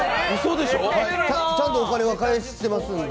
ちゃんとお金は返してますんで。